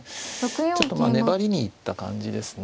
ちょっとまあ粘りに行った感じですね。